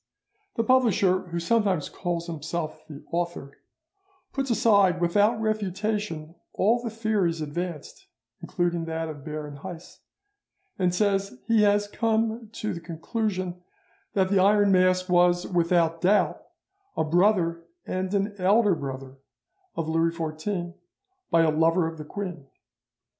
The publisher, who sometimes calls himself the author, puts aside without refutation all the theories advanced, including that of Baron Heiss, and says he has come to the conclusion that the Iron Mask was, without doubt, a brother and an elder brother of Louis XIV, by a lover of the queen.